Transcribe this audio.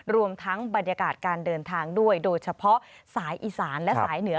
รวมทั้งบรรยากาศการเดินทางด้วยโดยเฉพาะสายอีสานและสายเหนือ